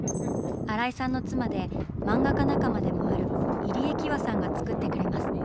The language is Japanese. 新井さんの妻で漫画家仲間でもある入江喜和さんが作ってくれます。